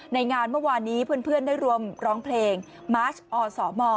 ในงานเมื่อวานนี้เพื่อนได้รวมร้องเพลงมาร์ชอสม